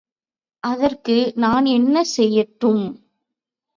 அதற்கு நான் என்ன செய்யட்டும்?